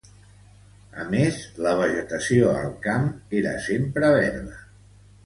A més, la vegetació al camp era sempre verda.